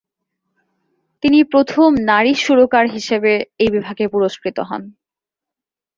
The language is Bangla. তিনি প্রথম নারী সুরকার হিসেবে এই বিভাগে পুরস্কৃত হন।